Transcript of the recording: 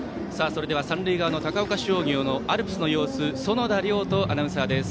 それでは、三塁側の高岡商業のアルプスの様子園田遼斗アナウンサーです。